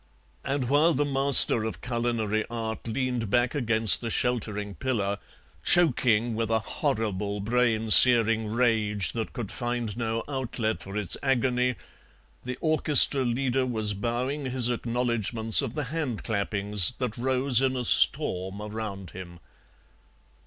And while the master of culinary art leaned back against the sheltering pillar, choking with a horrible brain searing rage that could find no outlet for its agony, the orchestra leader was bowing his acknowledgments of the hand clappings that rose in a storm around him.